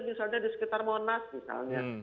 misalnya di sekitar monas misalnya